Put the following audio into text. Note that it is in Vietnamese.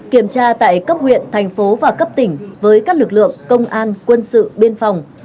kiểm tra tại cấp huyện thành phố và cấp tỉnh với các lực lượng công an quân sự biên phòng